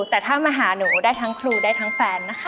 แต่ถ้ามาหาหนูได้ทั้งครูได้ทั้งแฟนนะคะ